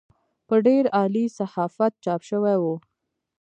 په ډېر عالي صحافت چاپ شوې وه.